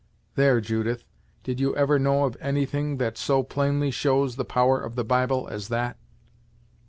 There, Judith; did you ever know of any thing that so plainly shows the power of the Bible, as that!"